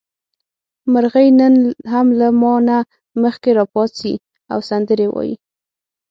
مرغۍ نن هم له ما نه مخکې راپاڅي او سندرې وايي.